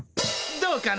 どうかな。